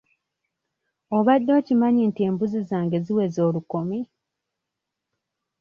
Obadde okimanyi nti embuzi zange ziweze olukumi?